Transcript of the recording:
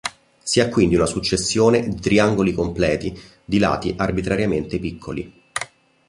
Si ha quindi una successione di triangoli completi di lati arbitrariamente piccoli.